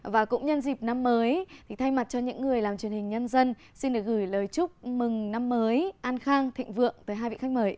và cũng nhân dịp năm mới thì thay mặt cho những người làm truyền hình nhân dân xin được gửi lời chúc mừng năm mới an khang thịnh vượng tới hai vị khách mời